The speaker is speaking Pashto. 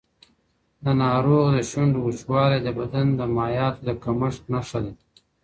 د ناروغ د شونډو وچوالی د بدن د مایعاتو د کمښت نښه ده.